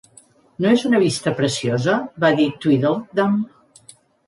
"No és una vista preciosa?" va dir Tweedledum.